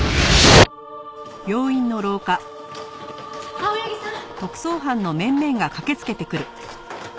青柳さん！